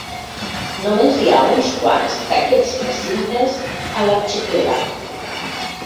Només hi ha uns quants d'aquests recintes a l'arxipèlag.